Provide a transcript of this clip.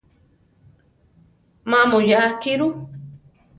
Má muyaa akí ru.